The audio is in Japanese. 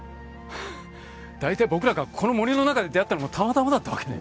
大体僕らがこの森の中で出会ったのもたまたまだったわけで。